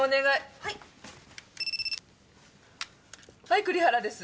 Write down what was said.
はい栗原です。